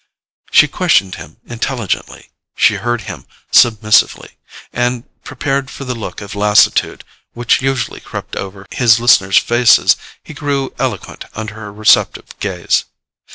She questioned him intelligently, she heard him submissively; and, prepared for the look of lassitude which usually crept over his listeners' faces, he grew eloquent under her receptive gaze.